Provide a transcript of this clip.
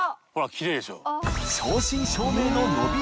きれいでしょ？